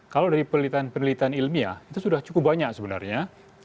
kalau dari penelitian penelitian ilmiah itu sudah cukup banyak sebenarnya